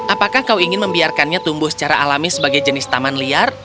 apakah kau ingin membiarkannya tumbuh secara alami sebagai jenis taman liar